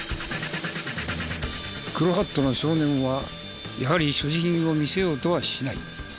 黒ハットの少年はやはり所持品を見せようとはしない。